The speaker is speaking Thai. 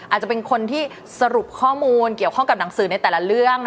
อาจจะเป็นคนที่สรุปข้อมูลเกี่ยวข้องกับหนังสือในแต่ละเรื่อง